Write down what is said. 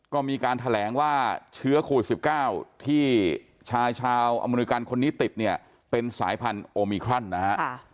ก็มีการแถลงว่าเชื้อโควิด๑๙ที่ชายชาวอเมริกันคนนี้ติดเนี่ยเป็นสายพันธุ์โอมิครอนนะฮะ